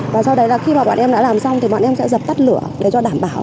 và sau đấy là khi mà bọn em đã làm xong thì bọn em sẽ dập tắt lửa để cho đảm bảo